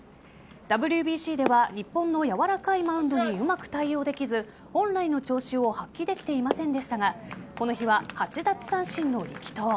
ＷＢＣでは日本の軟らかいマウンドにうまく対応できず本来の調子を発揮できていませんでしたがこの日は８奪三振の力投。